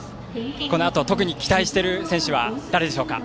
このあと、特に期待している選手は誰でしょうか？